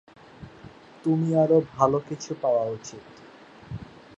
তুমি আরও ভাল কিছু পাওয়া উচিত।